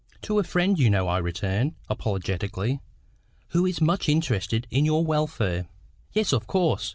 "To a friend, you know," I returned, apologetically, "who is much interested in your welfare." "Yes, of course.